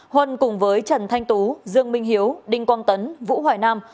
huân cùng với trần thanh tú dương minh hiếu đinh quang tấn vũ hoài nam